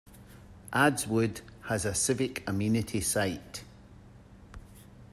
Adswood has a civic amenity site.